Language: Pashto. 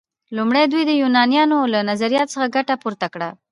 لومړی دوی د یونانیانو له نظریاتو څخه ګټه پورته کړه.